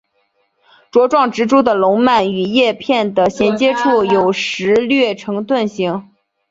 茁壮植株的笼蔓与叶片的衔接处有时略呈盾形。